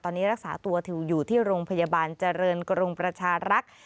ตอนนี้รักษาตัวอยู่ที่โรงพยาบาลเจริญกรุงประชารักษ์